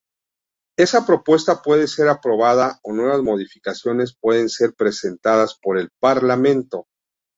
Esa propuesta puede ser aprobada o nuevas modificaciones pueden ser presentadas por el Parlamento.